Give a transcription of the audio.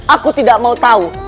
aku tidak mau tahu